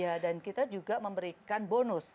ya dan kita juga memberikan bonus